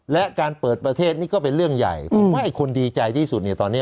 และการเปิดประเทศนี่ก็เป็นเรื่องใหญ่ผมว่าไอ้คนดีใจที่สุดเนี่ยตอนนี้